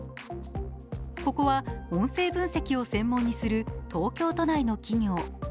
ここは、音声分析を専門にする東京都内の企業。